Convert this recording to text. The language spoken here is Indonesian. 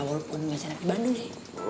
walaupun gak senang di bandung neng